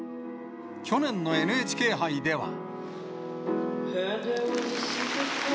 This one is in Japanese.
去年のＮＨＫ杯では。